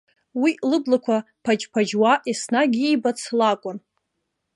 Уи лыблақәа ԥаџьԥаџьуа еснагь иибац лакәын.